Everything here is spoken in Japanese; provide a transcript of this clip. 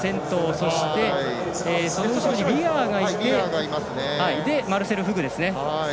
その後ろにウィアーがいてマルセル・フグですね。